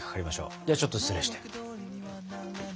ではちょっと失礼して。